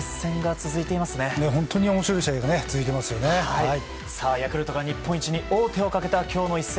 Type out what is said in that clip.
本当に面白い試合がヤクルトが日本一に王手をかけた今日の一戦。